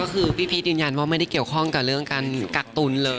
ก็คือพี่พีชยืนยันว่าไม่ได้เกี่ยวข้องกับเรื่องการกักตุลเลย